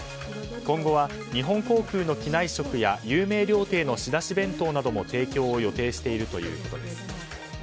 今後は日本航空の機内食や有名料亭の仕出し弁当なども提供を予定しているということです。